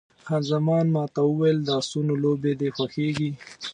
خان زمان ما ته وویل، د اسونو لوبې دې خوښېږي؟